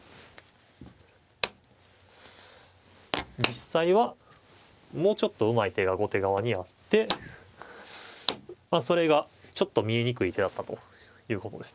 実際はもうちょっとうまい手が後手側にあってそれがちょっと見えにくい手だったということですね。